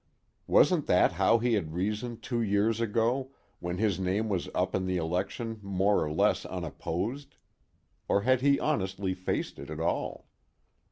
Wasn't that how he had reasoned two years ago, when his name was up in the election more or less unopposed? Or had he honestly faced it at all?